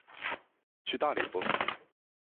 去大理不